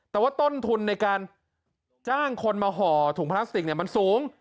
แต่ว่าต้นทุนในการจ้างคนมาห่อถุงพลาสติกมันสูง